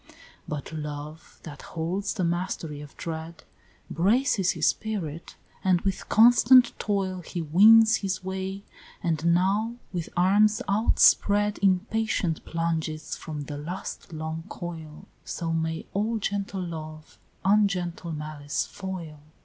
But Love, that holds the mastery of dread, Braces his spirit, and with constant toil He wins his way, and now, with arms outspread, Impatient plunges from the last long coil; So may all gentle Love ungentle Malice foil!